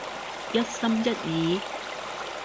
一心一意？